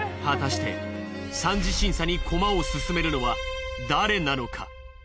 果たして三次審査にコマを進めるのは誰なのか。